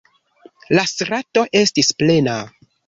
La strato estis plena.